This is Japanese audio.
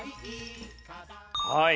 はい。